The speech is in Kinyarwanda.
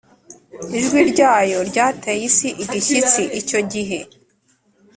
Ijwi ryayo ryateye isi igishyitsi icyo gihe